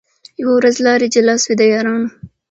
یوه ورځ لاري جلا سوې د یارانو